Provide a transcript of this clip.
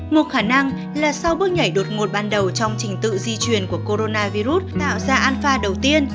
một khả năng là sau bước nhảy đột ngột ban đầu trong trình tự di truyền của coronavirus tạo ra alpha đầu tiên